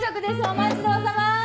お待ちどおさま。